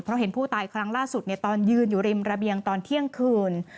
เพราะเห็นผู้ตายครั้งล่าสุดตอนยืนอยู่ริมระเบียงตอนเที่ยงคืน